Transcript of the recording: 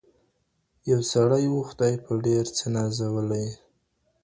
یو سړی وو خدای په ډېر څه نازولی